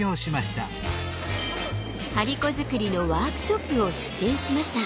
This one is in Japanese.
張り子作りのワークショップを出展しました。